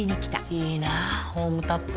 いいなホームタップ。